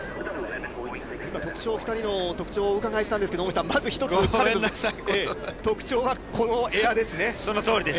２人の特徴をお伺いしたんですがまず一つ、彼の特徴はこのエアですね。